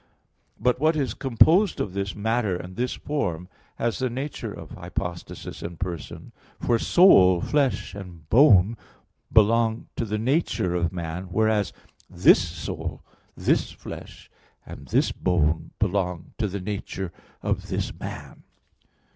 But what is composed of this matter and this form has the nature of hypostasis and person. For soul, flesh, and bone belong to the nature of man; whereas this soul, this flesh and this bone belong to the nature of this man.